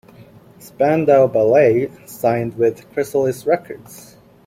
Spandau Ballet signed with Chrysalis Records.